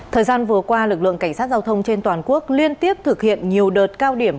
thời gian vừa qua lực lượng cảnh sát giao thông trên toàn quốc liên tiếp thực hiện nhiều đợt cao điểm